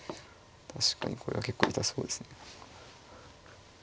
確かにこれは結構痛そうですね。